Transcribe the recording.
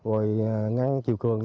rồi ngăn chiều cường